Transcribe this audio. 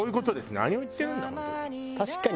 何を言ってるんだ本当に。